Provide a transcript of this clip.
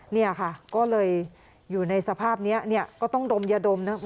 เนี่ยค่ะก็เลยอยู่ในสภาพนี้เนี่ยก็ต้องดมยาดมนะ